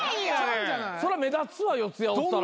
そら目立つわ四谷おったら。